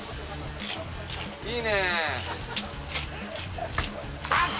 いいね。